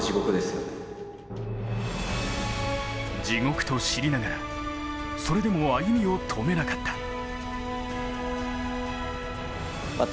地獄と知りながらそれでも歩みを止めなかった。